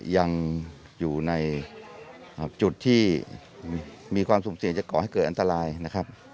ยังอยู่ในจุดที่มีความสุ่มเสี่ยงจะก่อให้เกิดอันตรายนะครับ